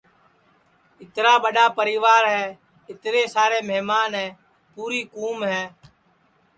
اِترا ٻڈؔا پریوار ہے اِترے سارے مہمان ہے پُوری کُوم ہے